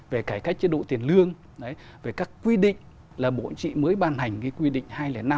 về cải cách chế độ tiền lương về các quy định là bộ trị mới ban hành quy định hai trăm linh năm